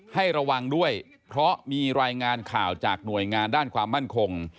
ให้ระวังด้วยเพราะมีรายงานข่าวจากหน่วยงานด้านความมั่นคง